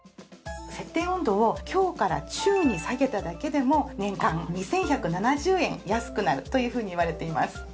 設定温度を「強」から「中」に下げただけでも年間２１７０円安くなるというふうにいわれています。